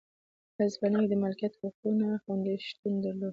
په هسپانیا کې د مالکیت د حقونو نه خوندیتوب شتون درلود.